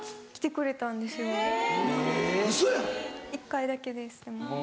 １回だけですでも。